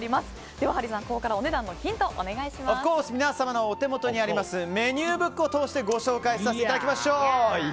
ではハリーさん、ここから皆様のお手元にあるメニューブックを通してご紹介させていただきましょう。